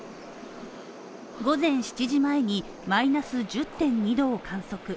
午前７時前にマイナス１０．２℃を観測。